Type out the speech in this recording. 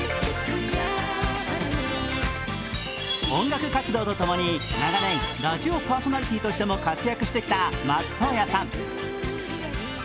音楽活動と共に長年、ラジオパーソナリティーとしても活躍してきた松任谷さん。